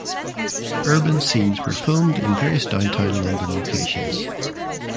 Urban scenes were filmed in various downtown London locations.